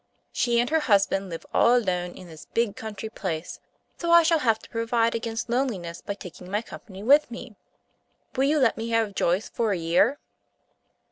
She and her husband live all alone in this big country place, so I shall have to provide against loneliness by taking my company with me. Will you let me have Joyce for a year?"